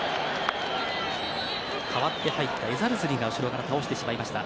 代わって入ったエザルズリが後ろから倒してしまいました。